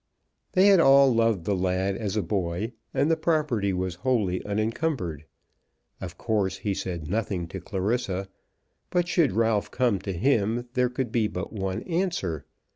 They had all loved the lad as a boy, and the property was wholly unencumbered. Of course he said nothing to Clarissa; but should Ralph come to him there could be but one answer.